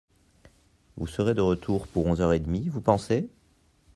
Vous serez de retour pour onze heures et demi, vous pensez ?